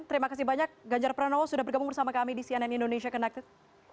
terima kasih banyak ganjar pranowo sudah bergabung bersama kami di cnn indonesia connected